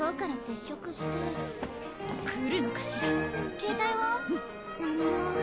携帯は？何も。